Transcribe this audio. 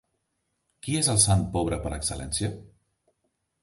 Qui és el sant pobre per excel·lència?